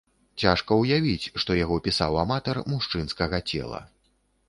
Цяжка ўявіць, што яго пісаў аматар мужчынскага цела.